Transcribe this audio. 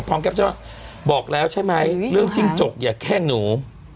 พร้อมแก๊บเจ้าบอกแล้วใช่ไหมเรื่องจิ้งจกอย่าแข้งหนู